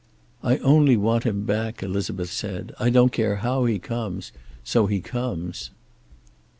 "I only want him back," Elizabeth said. "I don't care how he comes, so he comes."